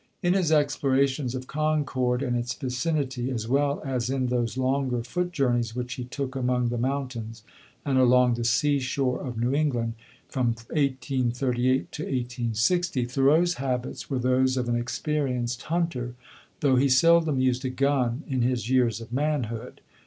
In his explorations of Concord and its vicinity, as well as in those longer foot journeys which he took among the mountains and along the sea shore of New England, from 1838 to 1860, Thoreau's habits were those of an experienced hunter, though he seldom used a gun in his years of manhood.